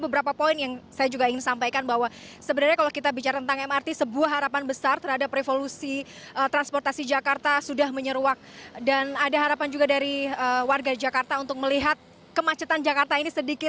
berikut laporannya untuk anda